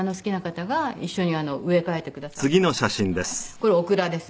これオクラです。